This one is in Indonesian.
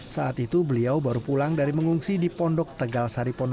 saat itu beliau baru pulang dari mengungsi di pondok tegal sari ponoro